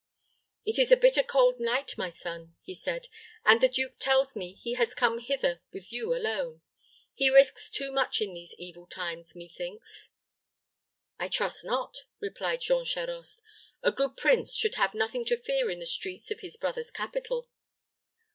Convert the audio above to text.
"It is a bitter cold night, my son," he said, "and the duke tells me he has come hither with you alone. He risks too much in these evil times, methinks." "I trust not," replied Jean Charost. "A good prince should have nothing to fear in the streets of his brother's capital."